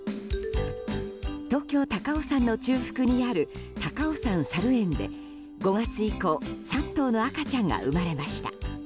東京・高尾山の中腹にある高尾山さる園で５月以降３頭の赤ちゃんが生まれました。